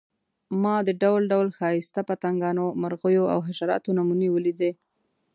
ما د ډول ډول ښایسته پتنګانو، مرغیو او حشراتو نمونې ولیدې.